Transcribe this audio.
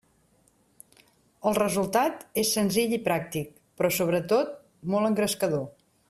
El resultat és senzill i pràctic però sobretot molt engrescador.